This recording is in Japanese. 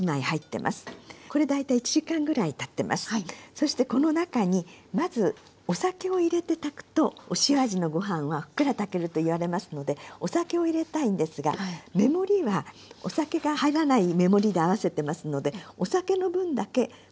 そしてこの中にまずお酒を入れて炊くとお塩味のご飯はふっくら炊けると言われますのでお酒を入れたいんですが目盛りはお酒が入らない目盛りで合わせてますのでお酒の分だけここで大さじ２杯の取って下さい。